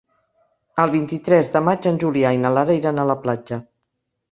El vint-i-tres de maig en Julià i na Lara iran a la platja.